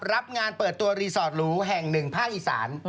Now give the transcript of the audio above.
รับงานเปิดตัวรีสอร์ทหรูแห่งหนึ่งภาคอีสาน